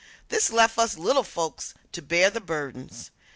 This left us little folks to bear the burdens.